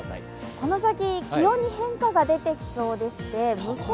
この先、気温に変化が出てきそうでして、向こう